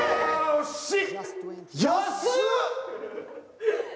惜しい！